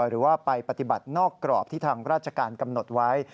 หรือว่าไปปฏิบัตินอกกรอบที่ทางราชการกำหนดไว้